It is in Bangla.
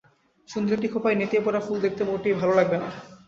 সুন্দর একটি খোঁপায় নেতিয়ে পড়া ফুল দেখতে মোটেই ভালো লাগবে না।